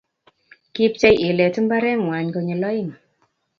kipchei ilet mbareng'wany konyil oeng'